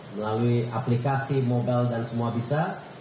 melalui aplikasi mobile dan semua bisa